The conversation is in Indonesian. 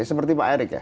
seperti pak erik ya